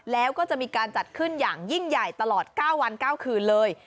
แล้วก็จะมีการจัดขึ้นอย่างยิ่งใหญ่ตลอด๙วัน๙คืนเลย